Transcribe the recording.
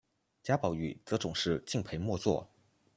贾宝玉则总是敬陪末座。